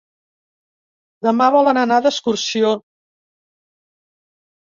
Demà volen anar d'excursió.